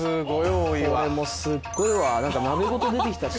これもすごいわ何か鍋ごと出てきたし。